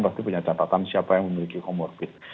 pasti punya catatan siapa yang memiliki comorbid